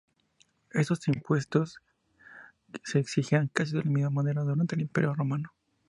Estos impuestos se exigían casi de la misma manera durante el Imperio Romano.